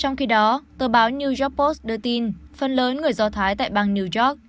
trong khi đó tờ báo new york post đưa tin phần lớn người do thái tại bang new york